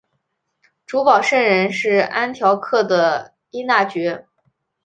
主保圣人是安条克的依纳爵。